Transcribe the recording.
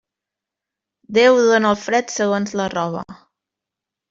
Déu dóna el fred segons la roba.